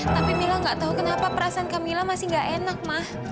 tapi mila nggak tahu kenapa perasaan kak mila masih nggak enak ma